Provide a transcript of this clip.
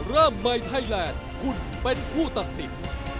ร่ำไมค์ไทยแลนด์คุณเป็นผู้ตัดสิน